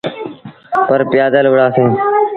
پر پيٚآدل وُهڙآ سيٚݩ۔